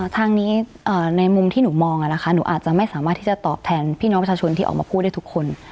ทางนี้ในมุมที่หนูมองนะคะหนูอาจจะไม่สามารถที่จะตอบแทนพี่น้องประชาชนที่ออกมาพูดได้ทุกคน